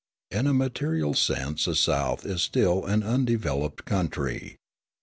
In a material sense the South is still an undeveloped country.